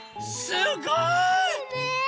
すごい！ねえ！